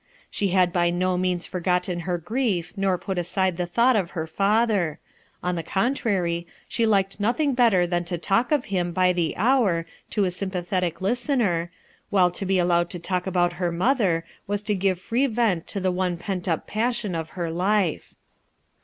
She had by no means forgotten her grief nor put aside the thought of her father , On the contrary, she A LOYAL HEART 2 0t liked nothing better than to talk of him by the hour to a sympathetic listener, while lo he allowed to talk about her mother, was to K ivc free vent to the one pent up p&mon of her life.